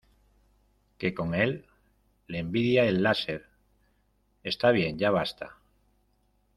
¿ Qué con él? Le envidia el láser. ¡ está bien, ya basta!